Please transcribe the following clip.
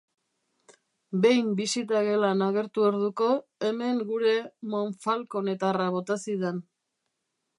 Behin bisita-gelan agertu orduko hemen gure monfalconetarra bota zidan.